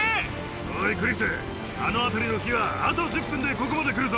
おい、クリス、あの辺りの火は、あと１０分でここまで来るぞ！